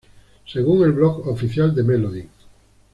Según el blog oficial de melody.